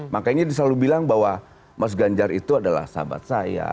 makanya dia selalu bilang bahwa mas ganjar itu adalah sahabat saya